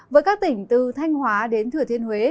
với các tỉnh từ thanh hóa đến thừa thiên huế